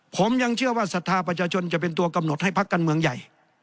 ผมยังเชื่อว่าศรัทธาประชาชนจะเป็นตัวกำหนดให้พักการเมืองใหญ่